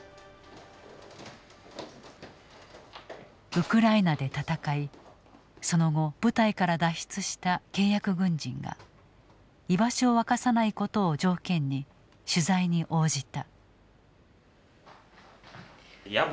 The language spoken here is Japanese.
ウクライナで戦いその後部隊から脱出した契約軍人が居場所を明かさないことを条件に取材に応じた。